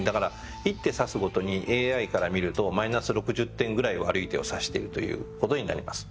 一手指すごとにＡＩから見るとマイナス６０点くらい悪い手を指しているということになります。